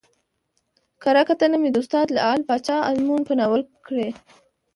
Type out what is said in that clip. کره کتنه مې د استاد لعل پاچا ازمون په ناول کړى